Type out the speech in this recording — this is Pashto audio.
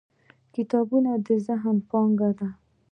• کتابونه د ذهن پانګه ده.